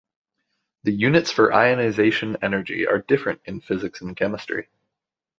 The units for ionization energy are different in physics and chemistry.